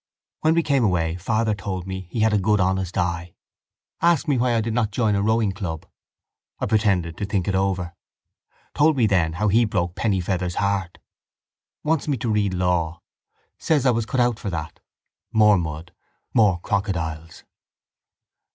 When we came away father told me he had a good honest eye. Asked me why I did not join a rowing club. I pretended to think it over. Told me then how he broke Pennyfeather's heart. Wants me to read law. Says I was cut out for that. More mud, more crocodiles.